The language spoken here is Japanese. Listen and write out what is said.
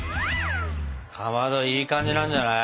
かまどいい感じなんじゃない？